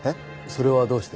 それはどうして？